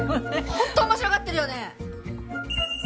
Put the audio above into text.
本当面白がってるよね！